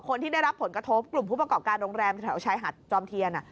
คนที่ได้รับผลกระทบกลุ่มผู้ประกอบการโรงแรมแถวชายหาดจอมเทียน